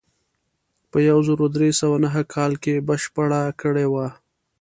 په یو زر درې سوه نهه کال کې بشپړه کړې وه.